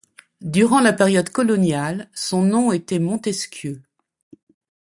Durant la période coloniale, son nom était Montesquieu.